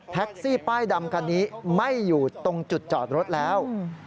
ป้ายดำคันนี้ไม่อยู่ตรงจุดจอดรถแล้ว